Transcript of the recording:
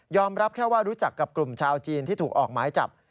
รับแค่ว่ารู้จักกับกลุ่มชาวจีนที่ถูกออกหมายจับ